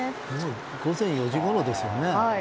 午前４時ごろですよね。